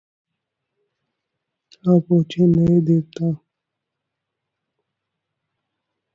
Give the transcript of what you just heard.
आ पहुंचे नए देवता